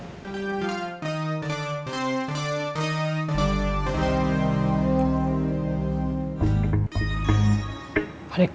tidak ada yang bisa dikira